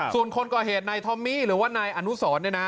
ส่วนคนก่อเหตุนายทอมมี่หรือว่านายอนุสรเนี่ยนะ